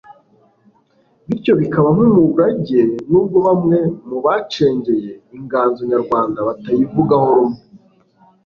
bityo bikaba nk'umurage, nubwo bamwe mubacengeye inganzo nyarwanda batayivugaho rumwe